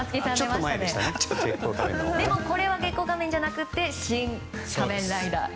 でもこれは「月光仮面」じゃなくて「シン・仮面ライダー」。